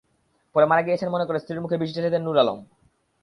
পরে মারা গেছেন মনে করে স্ত্রীর মুখে বিষ ঢেলে দেন নূর আলম।